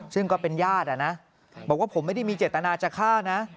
ซึ่งก็เป็นญาตินะบอกว่าผมไม่ได้มีเจตนาจะฆ่านะ